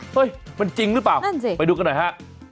เฮ้ยมันจริงหรือเปล่านั่นสิไปดูกันหน่อยฮะ